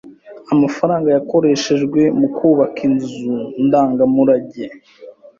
Amafaranga yakoreshejwe mu kubaka inzu ndangamurage?